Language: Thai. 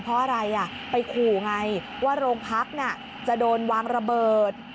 เพราะอะไรไปขู่ไงว่าโรงพักจะโดนวางระเบิด